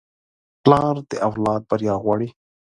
پلار د اولاد بریا غواړي.